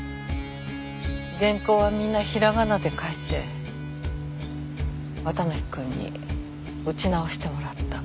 原稿はみんなひらがなで書いて綿貫くんに打ち直してもらった。